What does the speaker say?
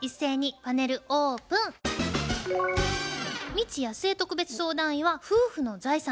未知やすえ特別相談員は「夫婦の財産」